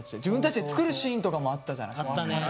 自分たちで作るシーンとかもあったじゃない。